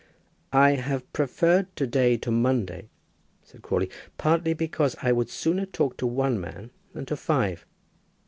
"I have preferred to day to Monday," said Crawley, "partly because I would sooner talk to one man than to five."